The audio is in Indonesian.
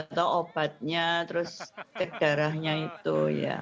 atau obatnya terus cek darahnya itu ya